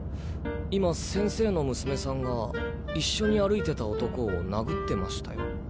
今先生の娘さんが一緒に歩いてた男を殴ってましたよ。